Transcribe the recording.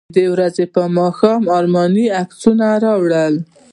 د دې ورځې په ماښام ارماني عکسونه راوړل.